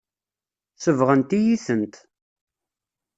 Sebɣent-iyi-tent.